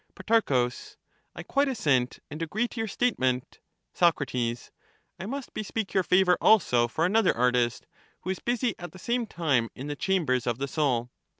Pro, I quite assent and agree to your statement. Soc, I must bespeak your favour also for another artist, who is busy at the same time in the chambers of the soul.